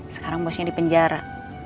sekarang bosnya di penjara